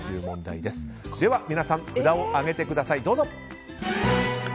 皆さん札を上げてください。